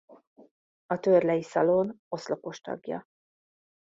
A Törley Szalon oszlopos tagja.